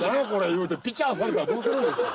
言うてピチャされたらどうするんですか。